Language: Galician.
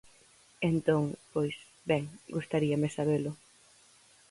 Entón, pois, ben, gustaríame sabelo.